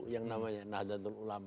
yang namanya nahdlatul ulama